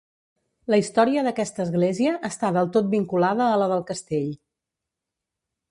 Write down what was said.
La història d'aquesta església està del tot vinculada a la del castell.